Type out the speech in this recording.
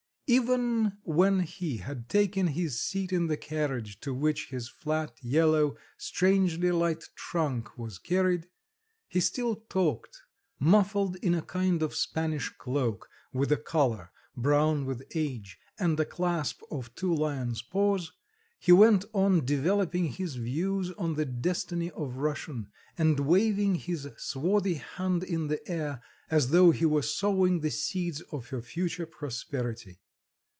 Even when he had taken his seat in the carriage, to which his flat, yellow, strangely light trunk was carried, he still talked; muffled in a kind of Spanish cloak with a collar, brown with age, and a clasp of two lion's paws; he went on developing his views on the destiny of Russian, and waving his swarthy hand in the air, as though he were sowing the seeds of her future prosperity.